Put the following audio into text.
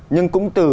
nhưng cũng từ